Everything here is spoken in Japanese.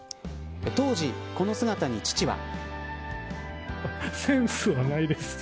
当時、この姿に父は。